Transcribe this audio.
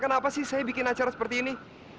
kenapa sih saya bikin acara seperti ini